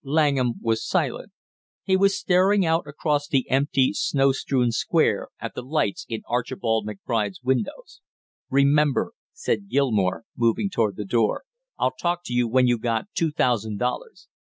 Langham was silent. He was staring out across the empty snow strewn Square at the lights in Archibald McBride's windows. "Remember," said Gilmore, moving toward the door. "I'll talk to you when you got two thousand dollars."